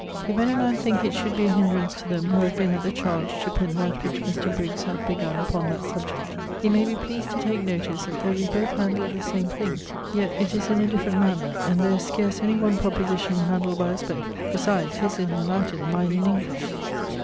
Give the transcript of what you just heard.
If any man thinke it should be a hinderance to them who have been at the chardge to print that which Mr. Briggs hath begun upon that subject, he may be pleased to take notice that though we both handle the same thing, yet it is in a different manner, and there is scarce any one proposition handled by us both; besides his is in Latine, mine in English.